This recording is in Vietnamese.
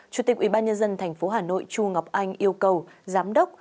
chủ tịch ubnd tp hà nội chu ngọc anh yêu cầu giám đốc